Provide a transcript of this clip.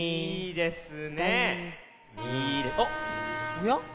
おや？